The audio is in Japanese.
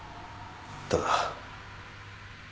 ただ。